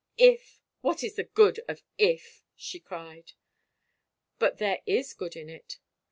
" If — what is the good of ' if '?" she cried. " But there is good in it.